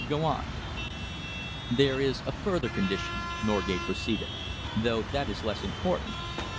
"Go on." "There is a further condition," Norgate proceeded, "though that is less important.